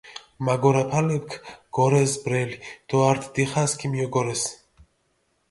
მაგორაფალეფქ გორეს ბრელი დო ართ დიხას ქიმიოგორეს.